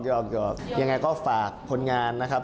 ยังไงก็ฝากคนงานนะครับ